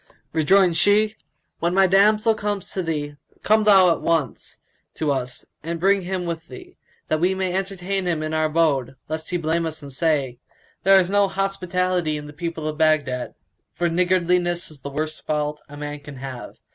Rejoined she, "When my damsel comes to thee, come thou at once to us and bring him with thee, that we may entertain him in our abode, lest he blame us and say, 'There is no hospitality in the people of Baghdad'; for niggardliness is the worst fault a man can have.